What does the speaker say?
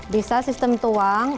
bisa sistem tuang